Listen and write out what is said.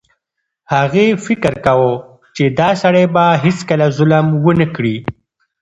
هغې فکر کاوه چې دا سړی به هیڅکله ظلم ونه کړي.